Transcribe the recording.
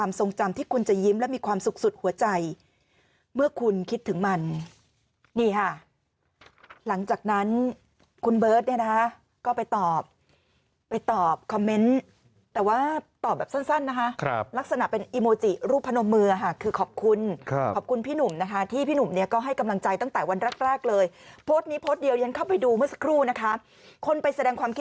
มีความสุขสุดหัวใจเมื่อคุณคิดถึงมันนี่ค่ะหลังจากนั้นคุณเบิร์ตเนี่ยนะคะก็ไปตอบไปตอบคอมเมนต์แต่ว่าตอบแบบสั้นนะคะลักษณะเป็นอีโมจิรูปพนมมือค่ะคือขอบคุณครับขอบคุณพี่หนุ่มนะคะที่พี่หนุ่มเนี่ยก็ให้กำลังใจตั้งแต่วันแรกแรกเลยโพสต์นี้โพสต์เดียวฉันเข้าไปดูเมื่อสักครู่นะคะคนไปแสดงความคิด